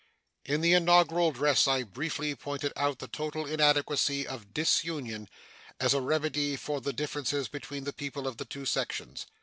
In the inaugural address I briefly pointed out the total inadequacy of disunion as a remedy for the differences between the people of the two sections.